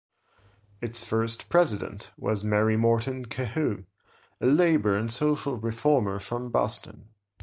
Its first president was Mary Morton Kehew, a labor and social reformer from Boston.